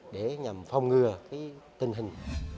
để nhằm phòng ngừa tình hình